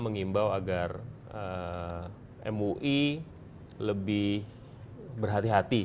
mengimbau agar mui lebih berhati hati